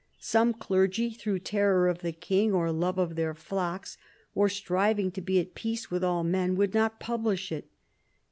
Some clergy, through terror of the king, or love of their flocks, or striving to "be at peace with all men, would not publish it.